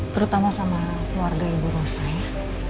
terutama sama keluarga ibu rosa ya